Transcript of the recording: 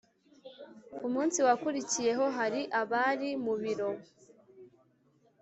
kumunsi wakurikiyeho hari abari mu biro